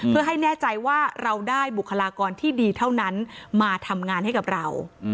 เพื่อให้แน่ใจว่าเราได้บุคลากรที่ดีเท่านั้นมาทำงานให้กับเรา